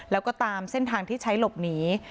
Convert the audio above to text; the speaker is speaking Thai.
แล้วก็ตามเส้นทางที่ใช้หลบหนี